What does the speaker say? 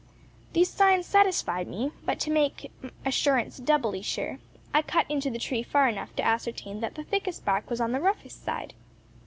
These signs satisfied me; but to make assurance doubly sure, I cut into the tree far enough to ascertain that the thickest bark was on the roughest side.